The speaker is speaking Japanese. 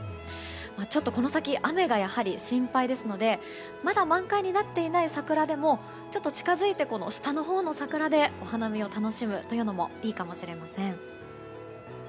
ちょっとこの先雨が心配ですのでまだ満開になっていない桜でもちょっと近づいて下のほうの桜でお花見を楽しむのもいいかもしれません。